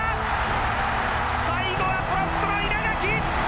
最後はプロップの稲垣。